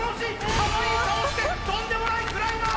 かわいい顔してとんでもないクライマー！